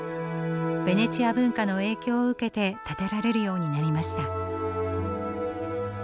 ベネチア文化の影響を受けて建てられるようになりました。